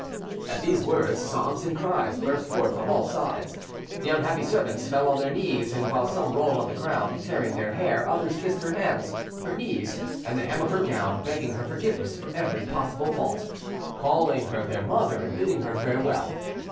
At these words sobs and cries burst forth on all sides: the unhappy servants fell on their knees, and while some rolled on the ground, tearing their hair, others kissed her hands, her knees, and the hem of her gown, begging her forgiveness for every possible fault, calling her their mother and bidding her farewell.